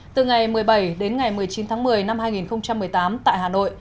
từ ngày một mươi bảy đến ngày một mươi chín tháng một mươi năm hai nghìn một mươi tám tại hà nội